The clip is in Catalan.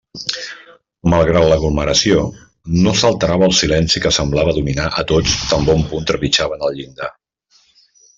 Malgrat l'aglomeració, no s'alterava el silenci que semblava dominar a tots tan bon punt trepitjaven el llindar.